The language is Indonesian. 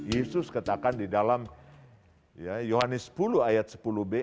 jesus katakan di dalam yohani sepuluh ayat sepuluh b